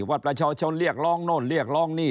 ว่าประชาชนเรียกร้องโน่นเรียกร้องนี่